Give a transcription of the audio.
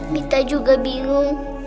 mita juga bingung